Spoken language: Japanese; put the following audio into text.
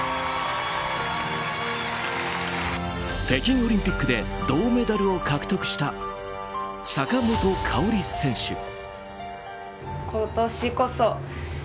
北京オリンピックで銅メダルを獲得した坂本花織選手。